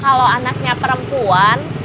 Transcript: kalau anaknya perempuan